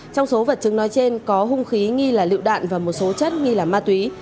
trong số vật chứng nói trên có hung khí nghi là lựu đạn và một số chất nghi là ma túy